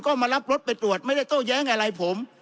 ก็มารับรถไปตรวจไม่ได้โต้แย้งอะไรผม